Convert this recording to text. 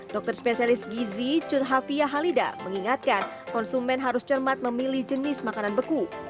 dokter spesialis gizi cunhavia halida mengingatkan konsumen harus cermat memilih jenis makanan beku